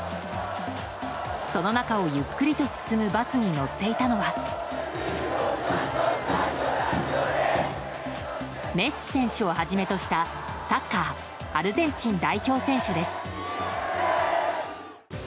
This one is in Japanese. その中をゆっくりと進むバスに乗っていたのはメッシ選手をはじめとしたサッカーアルゼンチン代表選手です。